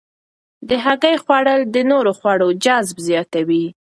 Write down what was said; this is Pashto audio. د هګۍ خوړل د نورو خوړو جذب زیاتوي.